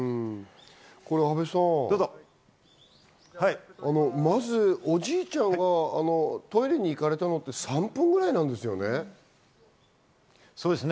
阿部さん、まずおじいちゃんがトイレに行かれたのって３分ぐらいなんですよね。